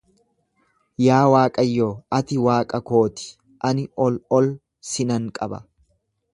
Yaa Waaqayyo, ati Waaqa koo ti, ani ol ol si nan qaba.